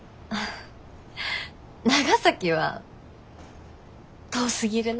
長崎は遠すぎるなって。